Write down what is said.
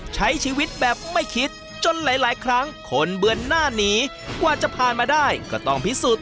ใช้ชีวิตแบบไม่คิด